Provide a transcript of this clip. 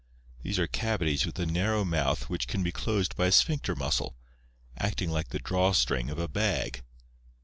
These are cavities with a narrow mouth which can be closed by a sphincter muscle, acting like the draw string of a bag.